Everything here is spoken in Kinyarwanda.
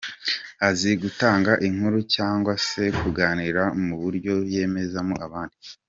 Azi gutanga inkuru cyangwa se kuganira mu buryo yemezamo abandi.